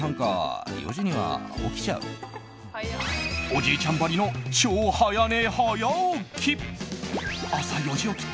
おじいちゃんばりの超早寝早起き。